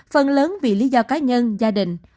phần lớn vì lý do cá nhân gia đình